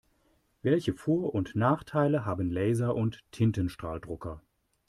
Welche Vor- und Nachteile haben Laser- und Tintenstrahldrucker?